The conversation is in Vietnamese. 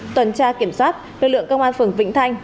tuần tra kiểm soát lực lượng công an phường vĩnh thanh